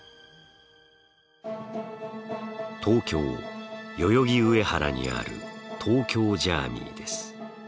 東京・代々木上原にある東京ジャーミイです。